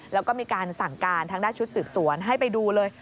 แล้วก็มีการสั่งการทางด้านชุดสืบสวนให้ไปดูเลย